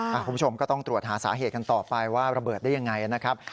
คุณผู้ชมก็ต้องตรวจหาสาเหตุกันต่อไปว่าระเบิดได้ยังไงนะครับ